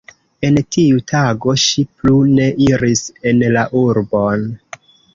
En tiu tago ŝi plu ne iris en la urbon.